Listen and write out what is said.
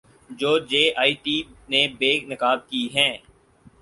جو J I T نے بے نقاب کی ہیں